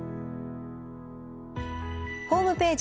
ホームページ